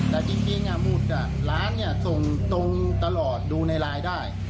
แต่จริงน่ะหมุธน่ะร้านเนี่ยส่งตรงตลอดดูในรายได้